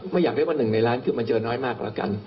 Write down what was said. อยากเรียกว่าหนึ่งในล้านคือมันเจอน้อยมากแล้วกัน